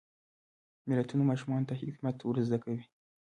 متلونه ماشومانو ته حکمت ور زده کوي.